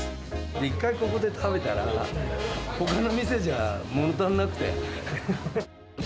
一回、ここで食べたら、ほかの店じゃ、もの足りなくて。